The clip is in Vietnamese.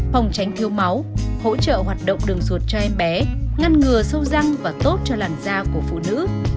phòng tránh thiêu máu hỗ trợ hoạt động đường ruột cho em bé ngăn ngừa sâu răng và tốt cho làn da của phụ nữ